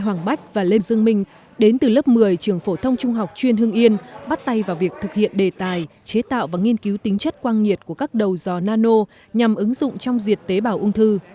hoàng bách và lê dương minh đến từ lớp một mươi trường phổ thông trung học chuyên hương yên bắt tay vào việc thực hiện đề tài chế tạo và nghiên cứu tính chất quang nhiệt của các đầu dò nano nhằm ứng dụng trong diệt tế bào ung thư